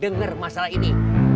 denger masalah ini